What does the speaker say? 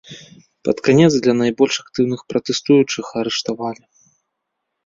Пад канец для найбольш актыўных пратэстуючых арыштавалі.